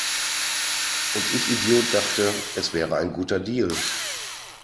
Und ich Idiot dachte, es wäre ein guter Deal!